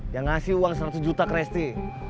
yang ngasih uang seratus juta christie